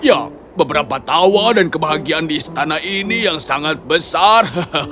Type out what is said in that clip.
ya beberapa tawa dan kebahagiaan di istana ini yang sangat besar